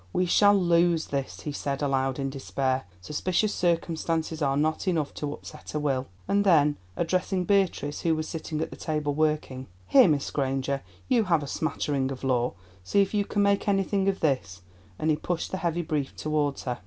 "We shall lose this," he said aloud in despair; "suspicious circumstances are not enough to upset a will," and then, addressing Beatrice, who was sitting at the table, working: "Here, Miss Granger, you have a smattering of law, see if you can make anything of this," and he pushed the heavy brief towards her.